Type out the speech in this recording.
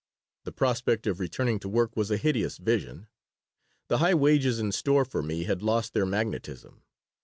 The prospect of returning to work was a hideous vision. The high wages in store for me had lost their magnetism.